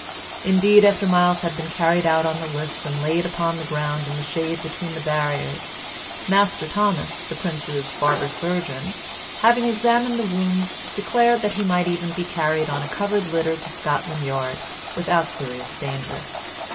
Indeed, after Myles had been carried out of the lists and laid upon the ground in the shade between the barriers, Master Thomas, the Prince's barber surgeon, having examined the wounds, declared that he might be even carried on a covered litter to Scotland Yard without serious danger.